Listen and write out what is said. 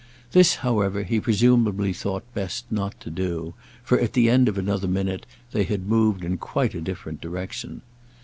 This, however, he presumably thought best not to do, for at the end of another minute they had moved in quite a different direction.